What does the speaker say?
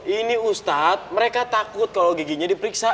ini ustadz mereka takut kalau giginya diperiksa